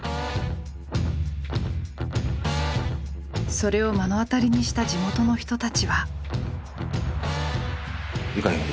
それを目の当たりにした地元の人たちは。